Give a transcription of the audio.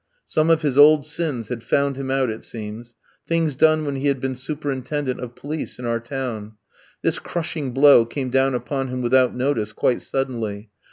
Some of his old sins had found him out, it seems; things done when he had been superintendent of police in our town. This crushing blow came down upon him without notice, quite suddenly.